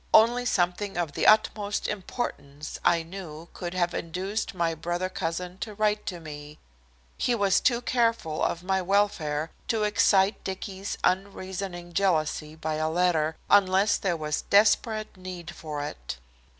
Only something of the utmost importance, I knew, could have induced my brother cousin to write to me. He was too careful of my welfare to excite Dicky's unreasoning jealousy by a letter, unless there was desperate need for it.